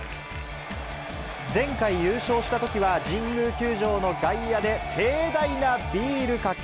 前回優勝したときは、神宮球場の外野で、盛大なビールかけ。